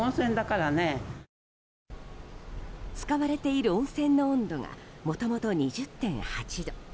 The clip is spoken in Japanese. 使われている温泉の温度がもともと２０．８度。